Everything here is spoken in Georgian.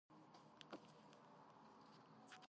შემდეგ ექვსი გაქრა.